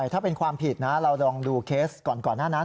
ถ้าเป็นความผิดนะเราลองดูเคสก่อนหน้านั้น